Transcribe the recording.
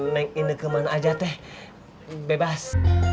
neng indeke mana aja teh bebas